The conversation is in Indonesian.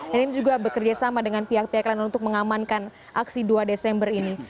dan ini juga bekerjasama dengan pihak pihak lain untuk mengamankan aksi dua desember ini